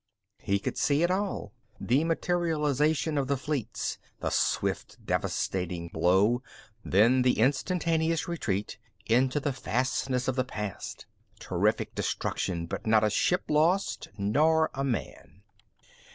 He could see it all: The materialization of the fleets; the swift, devastating blow, then the instantaneous retreat into the fastnesses of the past. Terrific destruction, but not a ship lost nor a man.